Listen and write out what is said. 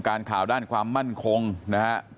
การข่าวด้านความมั่นคงนะครับ